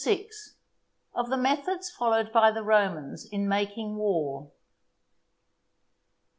—Of the Methods followed by the Romans in making War.